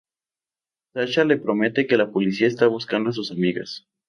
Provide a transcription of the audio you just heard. Sasha le promete que la policía está buscando a sus amigas.